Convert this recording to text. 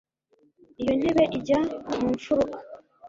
iyo ntebe ijya mu mfuruka